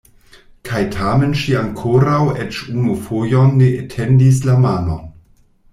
Kaj tamen ŝi ankoraŭ eĉ unu fojon ne etendis la manon.